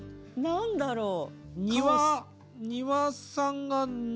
何だろう？